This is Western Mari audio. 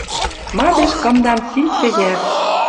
Мадеш кымдан симсӹ йӓр.